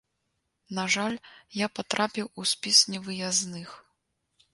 На жаль, я патрапіў у спіс невыязных.